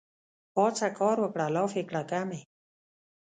پاڅه کار وکړه لافې کړه کمې